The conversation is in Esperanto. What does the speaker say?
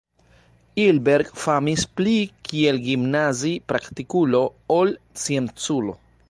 Ilberg famis pli kiel gimnazipraktikulo ol scienculo.